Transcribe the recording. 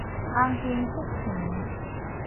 紅杏出牆